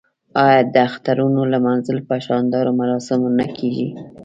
آیا د اخترونو لمانځل په شاندارو مراسمو نه کیږي؟